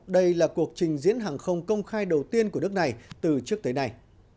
đây là cuộc trình diễn hàng không công khai đầu tiên của nước này từ trước tới nay